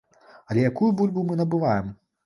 Але якую бульбу мы набываем?